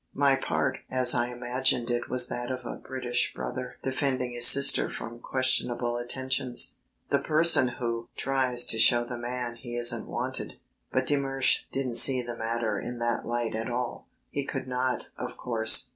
My part as I imagined it was that of a British brother defending his sister from questionable attentions the person who "tries to show the man he isn't wanted." But de Mersch didn't see the matter in that light at all. He could not, of course.